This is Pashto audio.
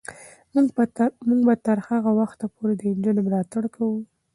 موږ به تر هغه وخته پورې د نجونو ملاتړ کوو.